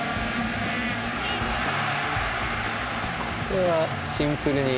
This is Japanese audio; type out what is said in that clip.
これはシンプルに。